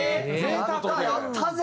やったぜ！